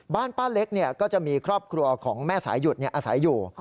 บ้านป้าเล็กก็จะมีครอบครัวของแม่สายหยุดอาศัยอยู่